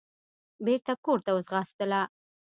بېرته کورته وځغاستله.